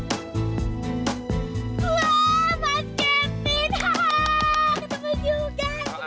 ketemu juga sih